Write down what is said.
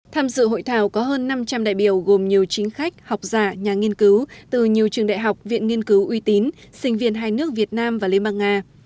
tham dự hội thảo có hơn năm trăm linh đại biểu gồm nhiều chính khách học giả nhà nghiên cứu từ nhiều trường đại học viện nghiên cứu uy tín sinh viên hai nước việt nam và liên bang nga